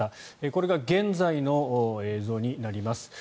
これが現在の映像になります。